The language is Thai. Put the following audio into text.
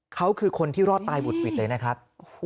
เขาคือคนที่รอดตายหุดหวิดเลยนะครับ